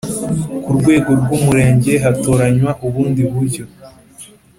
ku rwego rw Umurenge hatoranywa ubundi buryo